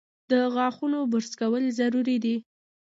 د غاښونو برس کول ضروري دي۔